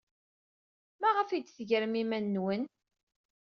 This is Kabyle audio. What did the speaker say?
Maɣef ay d-tegrem iman-nsen?